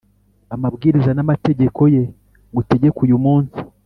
amabwiriza n’amategeko ye ngutegeka uyu munsi,